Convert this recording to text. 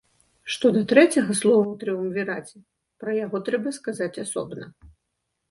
Што да трэцяга слова ў трыумвіраце, пра яго трэба сказаць асобна.